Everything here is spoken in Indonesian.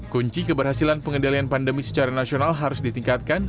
kunci keberhasilan pengendalian pandemi secara nasional harus ditingkatkan